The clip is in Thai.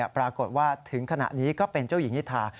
ปรากฏว่าถึงขณะนี้ก็เป็นเจ้าหญิงนิทา